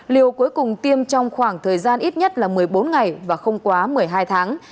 liều cuối cùng tiêm trong khoảng thời gian ít nhất là một mươi bốn ngày và không quá một mươi hai tháng